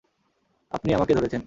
আপনিই আমাকে ধরেছেন।